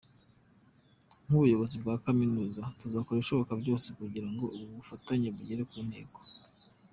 Nk’ubuyobozi bwa kaminuza tuzakora ibishoboka byose kugira ngo ubu bufatanye bugere ku ntego.